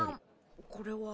これは。